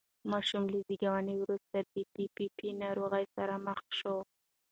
ماشوم له زېږون وروسته د پي پي پي ناروغۍ سره مخ شو.